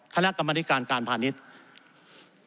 คณะกรรมนิการการพาณิชย์